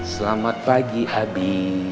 selamat pagi abi